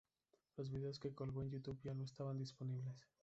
Los vídeos que colgó en Youtube ya no estaban disponibles.